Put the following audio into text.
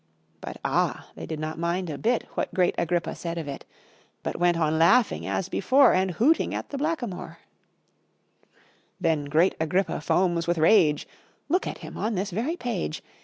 But, ah! they did not mind a bit What great Agrippa said of it; But went on laughing, as before, And hooting at the Black a moor. Then great Agrippa foams with rage Look at him on this very page!